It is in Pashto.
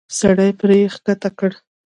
سړی پړی کښته کړ.